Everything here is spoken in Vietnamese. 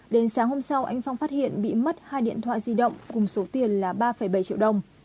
đến sáng hôm sau anh phong phát hiện bị mất hai điện thoại di động cùng số tiền là ba bảy triệu đồng